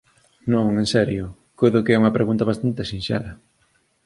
Non, en serio, coido que é unha pregunta bastante sinxela.